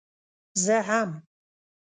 زه هم.